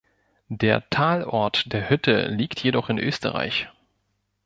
Der Talort der Hütte liegt jedoch in Österreich.